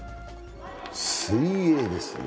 水泳ですね。